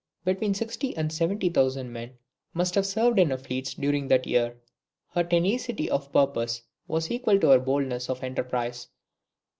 Between sixty and seventy thousand men must have served in her fleets during that year. Her tenacity of purpose was equal to her boldness of enterprise.